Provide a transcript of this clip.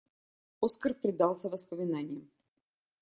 Оскар предался воспоминаниям.